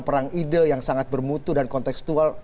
perang ide yang sangat bermutu dan kontekstual